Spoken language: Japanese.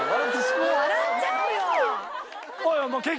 もう笑っちゃうよ。